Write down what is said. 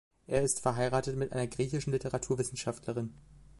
Er ist verheiratet mit einer griechischen Literaturwissenschaftlerin.